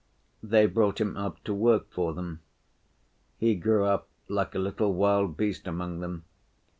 They brought him up to work for them. He grew up like a little wild beast among them.